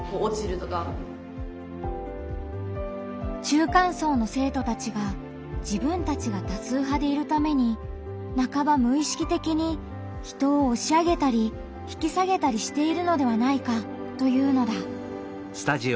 中間層の生徒たちが自分たちが多数派でいるために半ば無意識的に人を押し上げたり引き下げたりしているのではないかというのだ。